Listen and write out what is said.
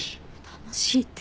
楽しいって。